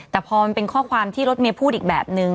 แต่พอมันเป็นข้อความที่รถเมย์พูดอีกแบบนึง